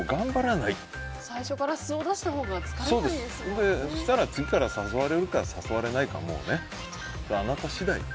最初から素を出したほうがそしたら次から誘われるか誘われないかあなた次第。